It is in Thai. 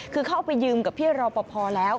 คือเข้าไปยืมกับพี่รอปภแล้ว